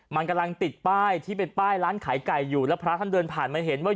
มันกำลังติดป้ายที่เป็นป้ายร้านขายไก่อยู่แล้วพระท่านเดินผ่านมาเห็นว่า